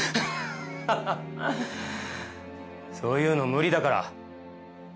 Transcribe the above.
そういうの無理だから。